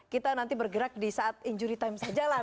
kita nanti bergerak di saat injury time saja lah